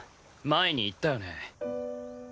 前に言ったよね。